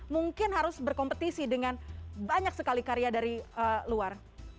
mungkin harus berkompetisi dengan banyak sekali karya dari luar